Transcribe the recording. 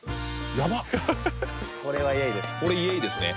これこれはイエイですね